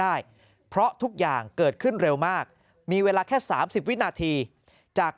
ได้เพราะทุกอย่างเกิดขึ้นเร็วมากมีเวลาแค่๓๐วินาทีจาก